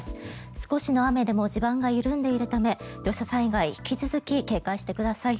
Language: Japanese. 少しの雨でも地盤が緩んでいるため土砂災害引き続き警戒してください。